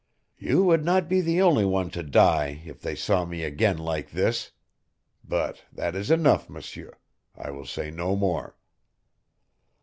"You would not be the only one to die if they saw me again like this. But that is enough, M'seur. I will say no more."